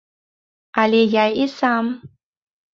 Але я і сам.